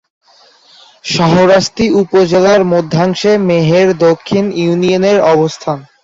শাহরাস্তি উপজেলার মধ্যাংশে মেহের দক্ষিণ ইউনিয়নের অবস্থান।